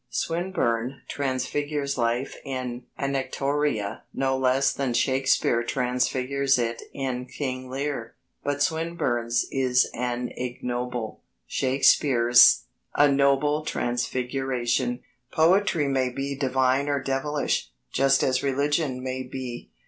Swinburne transfigures life in Anactoria no less than Shakespeare transfigures it in King Lear. But Swinburne's is an ignoble, Shakespeare's a noble transfiguration. Poetry may be divine or devilish, just as religion may be.